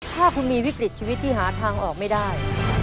ถ้าคุณมีวิกฤตชีวิตที่หาทางออกไม่ได้